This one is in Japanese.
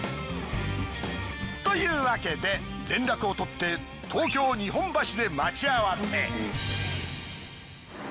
というわけで連絡を取って東京日本橋で待ち合わせ。